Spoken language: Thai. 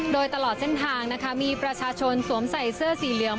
โดยตลอดเส้นทางนะคะมีประชาชนสวมใส่เสื้อสีเหลือง